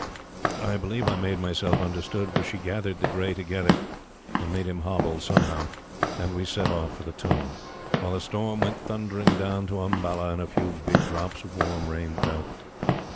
I believe I made myself understood, for she gathered the gray together and made him hobble somehow, and we set off for the tomb, while the storm went thundering down to Umballa and a few big drops of warm rain fell.